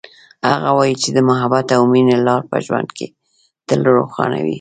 هغه وایي چې د محبت او مینې لار په ژوند کې تل روښانه وي